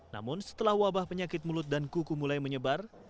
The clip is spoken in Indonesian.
namun setelah wabah penyakit mulut dan kuku mulai menyebar